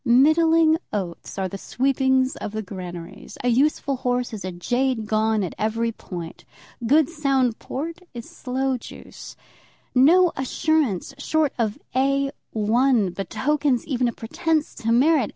Middling oats are the sweepings of the granaries. A useful horse is a jade gone at every point. Good sound port is sloe juice. No assurance short of A 1 betokens even a pretence to merit.